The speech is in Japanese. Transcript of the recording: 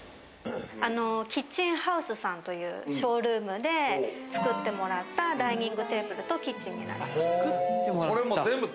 キッチンハウスさんというショールームで作ってもらったダイニングテーブルとキッチンになります。